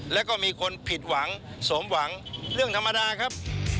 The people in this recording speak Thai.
แล้วก็มีคนผิดหวังสมหวังเรื่องธรรมดาครับ